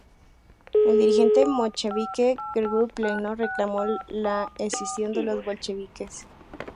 El dirigente menchevique Gueorgui Plejánov reclamó la escisión de los bolcheviques.